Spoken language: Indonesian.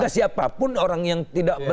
sehingga siapapun orang yang tidak berpikir